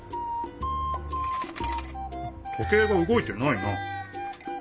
時計がうごいてないな。